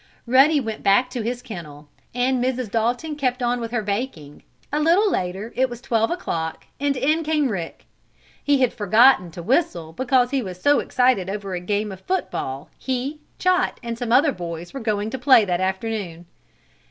Ruddy went back to his kennel, and Mrs. Dalton kept on with her baking. A little later it was twelve o'clock, and in came Rick. He had forgotten to whistle because he was so excited over a game of football he, Chot and some other boys were going to play that afternoon.